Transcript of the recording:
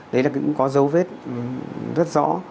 đấy cũng có dấu vết rất rõ